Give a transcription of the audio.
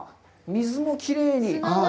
水もきれいに。